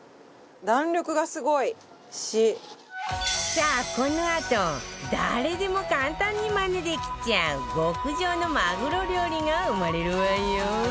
さあ、このあと誰でも簡単にマネできちゃう極上のマグロ料理が生まれるわよ